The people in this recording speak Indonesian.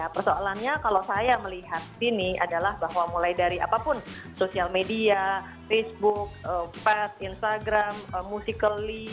persoalannya kalau saya melihat ini adalah bahwa mulai dari apapun social media facebook pat instagram musical ly